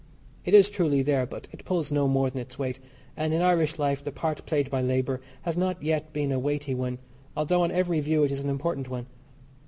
It is truly there, but it pulls no more than its weight, and in Irish life the part played by labour has not yet been a weighty one; although on every view it is an important one.